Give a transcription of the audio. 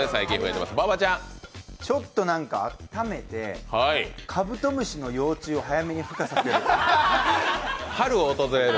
ちょっと温めて、カブトムシの幼虫を早めにふ化させる。